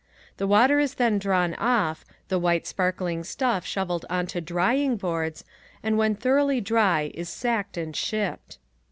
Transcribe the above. The water is then drawn off, the white sparkling stuff shoveled onto drying boards and when thoroughly dry is sacked and shipped.